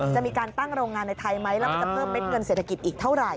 จะมีการตั้งโรงงานในไทยไหมแล้วมันจะเพิ่มเม็ดเงินเศรษฐกิจอีกเท่าไหร